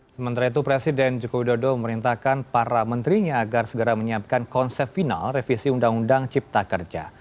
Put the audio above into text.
sementara itu presiden joko widodo memerintahkan para menterinya agar segera menyiapkan konsep final revisi undang undang cipta kerja